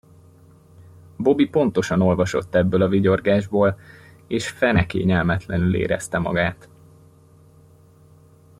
Bobby pontosan olvasott ebből a vigyorgásból, és fene kényelmetlenül érezte magát.